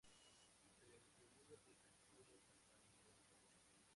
Se distribuye por casi todo el paleártico.